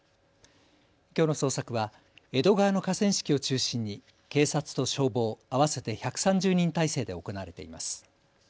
きょうの捜索は江戸川の河川敷を中心に警察と消防合わせて１３０人態勢で行われています。